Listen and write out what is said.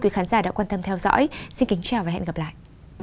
quý khán giả đã quan tâm theo dõi xin kính chào và hẹn gặp lại